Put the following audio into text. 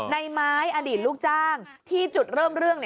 ในไม้อดีตลูกจ้างที่จุดเริ่มเรื่อง